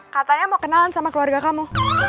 katanya mau kenalan sama keluarga kamu